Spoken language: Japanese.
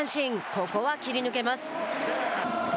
ここは切り抜けます。